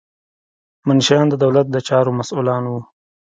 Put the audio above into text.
منشیان د دولت د چارو مسؤلان وو.